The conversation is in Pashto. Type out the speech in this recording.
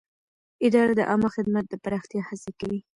اداره د عامه خدمت د پراختیا هڅه کوي.